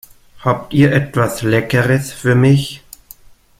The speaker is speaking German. Habt ihr etwas Leckeres für mich?